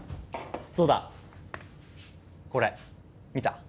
そうだこれ見た？